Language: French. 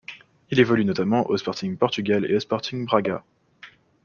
Il évolue notamment au Sporting Portugal et au Sporting Braga.